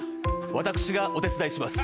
私がお手伝いします。